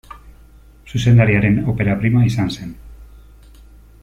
Zuzendariaren opera prima izan zen.